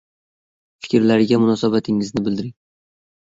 Fikrlariga munosabatingizni bildiring.